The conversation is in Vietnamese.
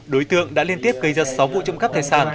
đối tượng đã liên tiếp gây ra sáu vụ trộm cắp tài sản